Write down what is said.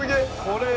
これ。